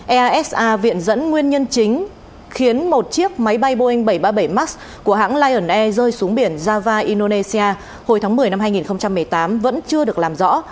esa viện dẫn nguyên nhân chính khiến một chiếc máy bay boeing bảy trăm ba mươi bảy max của hãng lion air rơi xuống biển java indonesia hồi tháng một mươi năm hai nghìn một mươi tám vẫn chưa được làm rõ